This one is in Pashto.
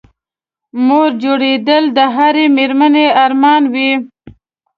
مور جوړېدل د هرې مېرمنې ارمان وي